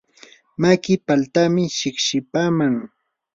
maki paltami shiqshipaaman.